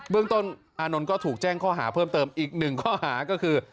เรื่องต้นอานนท์ก็ถูกแจ้งข้อหาเพิ่มเติมอีกหนึ่งข้อหาก็คือ